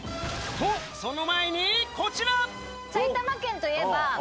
とその前にこちら私も